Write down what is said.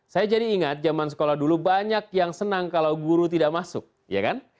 saya jadi ingat zaman sekolah dulu banyak yang senang kalau guru tidak masuk ya kan